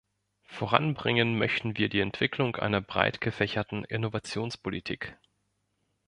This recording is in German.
Voranbringen möchten wir die Entwicklung einer breit gefächerten Innovationspolitik.